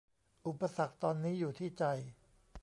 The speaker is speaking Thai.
อุปสรรคตอนนี้อยู่ที่ใจ